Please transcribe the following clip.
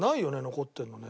残ってるのね。